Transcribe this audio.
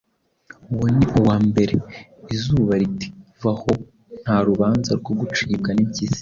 Uwo ni uwa mbere!” Izuba riti: “Va aho, nta rubanza rwo gucibwa n’impyisi!”